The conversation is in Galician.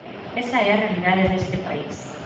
Esa é a realidade deste país.